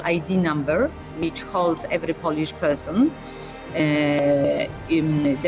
yang dihubungkan oleh setiap orang orang polandia